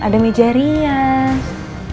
ada meja rias